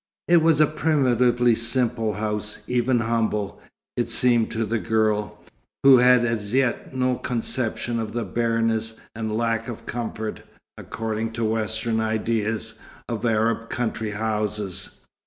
It was a primitively simple house, even humble, it seemed to the girl, who had as yet no conception of the bareness and lack of comfort according to Western ideas of Arab country houses.